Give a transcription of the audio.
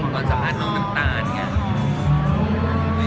ก่อนสระนั้นลองน้ำตาลไง